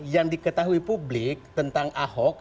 yang diketahui publik tentang ahok